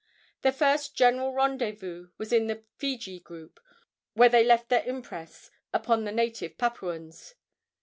Their first general rendezvous was in the Fiji group, where they left their impress upon the native Papuans.